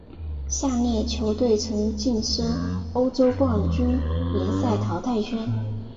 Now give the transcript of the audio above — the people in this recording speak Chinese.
下列球队曾晋身欧洲冠军联赛淘汰圈。